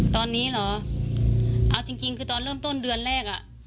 ตอนนี้เหรอเอาจริงคือตอนเริ่มต้นเดือนแรกอ่ะ